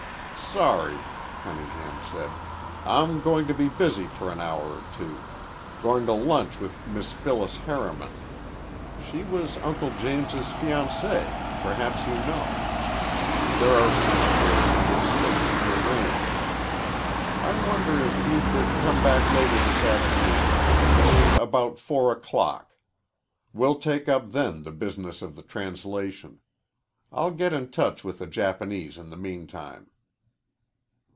"Sorry," Cunningham said, "I'm going to be busy for an hour or two. Going to lunch with Miss Phyllis Harriman. She was Uncle James's fiancée, perhaps you know. There are some affairs of the estate to be arranged. I wonder if you could come back later this afternoon. Say about four o'clock. We'll take up then the business of the translation. I'll get in touch with a Japanese in the meantime."